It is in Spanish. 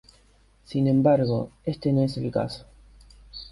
Sin embargo, este no es el caso.